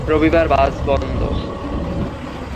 রবিবার বাস বন্ধ।